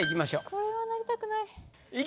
これはなりたくない。